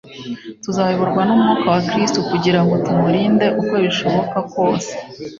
tuzayoborwa n'Umwuka wa Kristo kugira ngo tumurinde uko bishoboha kose